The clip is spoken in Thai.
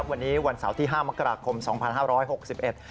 วันนี้วันเสาร์ที่ห้ามกราคมสองพันห้าร้อยหกสิบเอ็ด